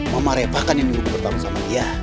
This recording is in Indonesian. mama refahkan yang lupa bertahun tahun sama dia